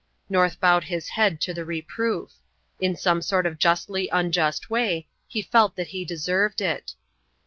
North bowed his head to the reproof. In some sort of justly unjust way, he felt that he deserved it.